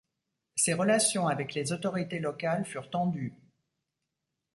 Ses relations avec les autorités locales furent tendues.